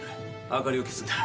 明かりを消すんだ。